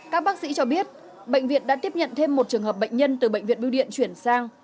các bác sĩ cho biết bệnh viện đã tiếp nhận thêm một trường hợp bệnh nhân từ bệnh viện biêu điện chuyển sang